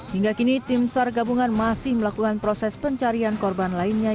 hingga kini tim sar gabungan masih melakukan proses pencarian korban lainnya